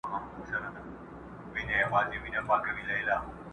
څوک چي د مار بچی په غېږ کي ګرځوینه.!